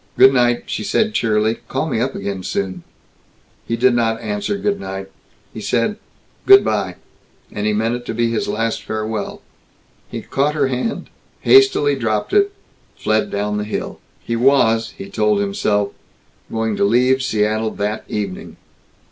"Good night," she said cheerily. "Call me up soon again." He did not answer "Good night." He said "Good by"; and he meant it to be his last farewell. He caught her hand, hastily dropped it, fled down the hill. He was, he told himself, going to leave Seattle that evening.